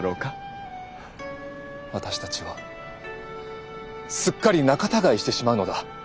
私たちはすっかり仲たがいしてしまうのだ。